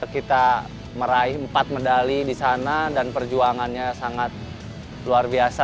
kita meraih empat medali di sana dan perjuangannya sangat luar biasa